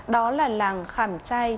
đó là làng khảm trai